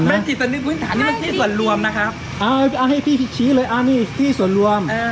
มันเป็นที่ส่วนรวม